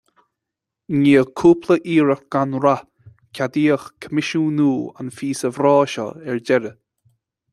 I ndiaidh cúpla iarracht gan rath, ceadaíodh coimisiúnú an phíosa bhreá seo ar deireadh